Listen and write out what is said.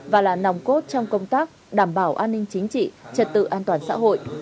và là nòng cốt trong công tác đảm bảo an ninh chính trị trật tự an toàn xã hội